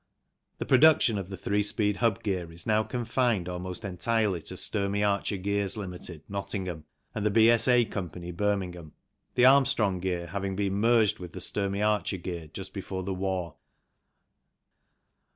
The production of the three speed hub gear is now confined almost entirely to Sturmey Archer Gears, Ltd., Nottingham, and the B.S.A. Co., Birmingham, the Armstrong gear having been merged with the Sturmey Archer gear just before the war.